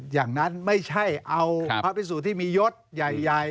อย่างนั้นไม่ใช่เอาพระพิสุทธิ์ที่มียศใหญ่